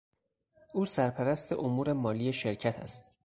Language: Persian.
او سرپرست امور مالی شرکت است.